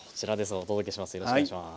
お届けします。